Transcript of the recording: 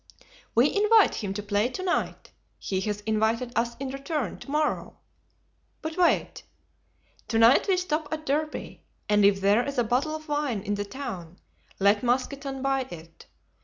"We invite him to play to night; he has invited us in return to morrow. But wait. To night we stop at Derby; and if there is a bottle of wine in the town let Mousqueton buy it.